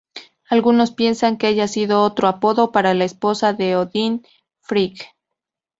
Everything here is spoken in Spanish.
Algunos piensan que haya sido otro apodo para la esposa de Odín, Frigg.